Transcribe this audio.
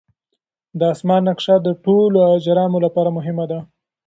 د اسمان نقشه د ټولو اجرامو لپاره مهمه ده.